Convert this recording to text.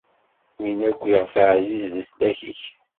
Wid akk iɣef ɛziz leslak-ik.